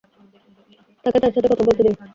তাকে তার সাথে কথা বলতে দিন।